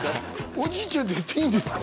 おじいちゃんって言っていいんですか？